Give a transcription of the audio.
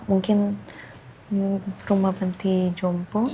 mungkin rumah penting